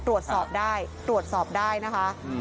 ตรวจสอบได้ตรวจสอบได้นะคะ